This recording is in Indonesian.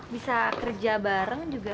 bisa kerja bareng juga